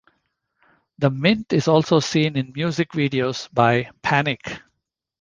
The Mint is also seen in music videos by Panic!